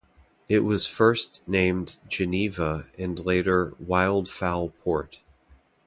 It was first named "Geneva" and later "Wild Fowl Port".